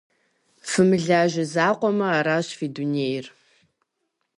Фымылажьэ закъуэмэ, аращ фи дунейр.